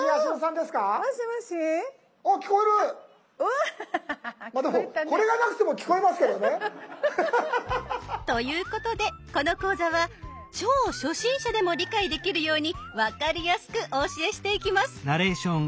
でもこれがなくても聞こえますけどね。ということでこの講座は超初心者でも理解できるように分かりやすくお教えしていきます。